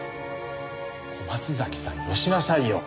小松崎さんよしなさいよ！